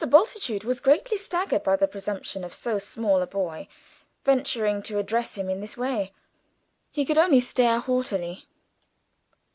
Bultitude was greatly staggered by the presumption of so small a boy venturing to address him in this way. He could only stare haughtily.